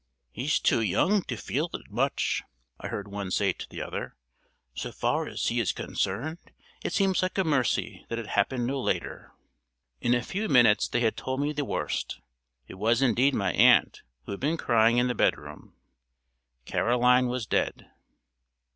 "He's too young to feel it much," I heard one say to the other. "So far as he is concerned, it seems like a mercy that it happened no later." In a few minutes they had told me the worst. It was indeed my aunt who had been crying in the bedroom. Caroline was dead.